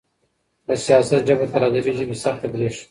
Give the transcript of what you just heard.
د سياست ژبه تر ادبي ژبي سخته برېښي.